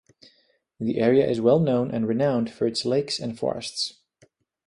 The area is well known and renowned for its lakes and forests.